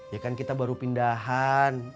ya kan kita baru pindahan